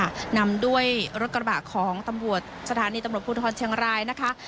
นำด้วยรถกระบะของตำรวจสถานีตำรวจภูทรเชียงรายนะคะ